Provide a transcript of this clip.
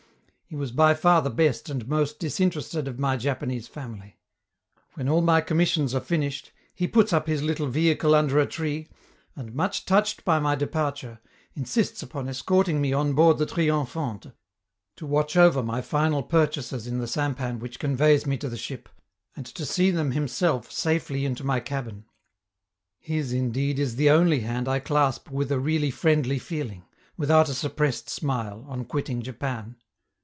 He was by far the best and most disinterested of my Japanese family. When all my commissions are finished, he puts up his little vehicle under a tree, and, much touched by my departure, insists upon escorting me on board the 'Triomphante', to watch over my final purchases in the sampan which conveys me to the ship, and to see them himself safely into my cabin. His, indeed, is the only hand I clasp with a really friendly feeling, without a suppressed smile, on quitting Japan.